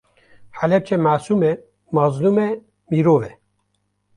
Helepçe masum e, mezlum e, mirov e